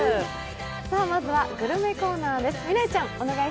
まずはグルメコーナーです。